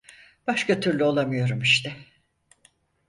Başka türlü olamıyorum işte!